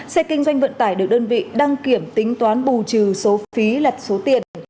xe kinh doanh vận tải được đơn vị đăng kiểm tính toán bù trừ số phí lật số tiền